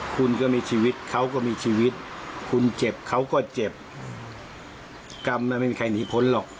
คุณก็มีชีวิตเขาก็มีชีวิตคุณเจ็บเขาก็เจ็บกรรมมันไม่มีใครหนีพ้นหรอก